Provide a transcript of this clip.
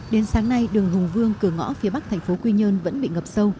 đến sáng nay đường hùng vương cửa ngõ phía bắc thành phố quy nhơn vẫn bị ngập sâu